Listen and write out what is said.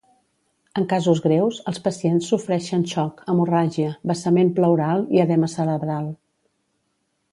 En casos greus, els pacients sofreixen xoc, hemorràgia, vessament pleural i edema cerebral.